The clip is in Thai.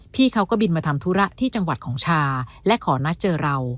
พี่เขาก็บินมาทำธุระที่จังหวัดของชาและขอนัดเจอเรา